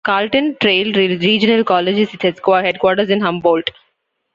Carlton Trail Regional College has its headquarters in Humboldt.